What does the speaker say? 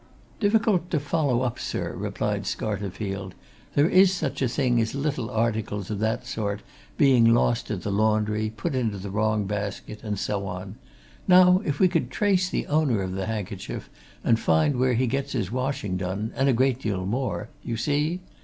"Difficult to follow up, sir," replied Scarterfield. "There is such a thing as little articles of that sort being lost at the laundry, put into the wrong basket, and so on. Now if we could trace the owner of the handkerchief and find where he gets his washing done, and a great deal more you see?